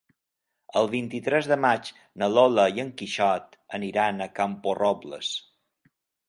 El vint-i-tres de maig na Lola i en Quixot aniran a Camporrobles.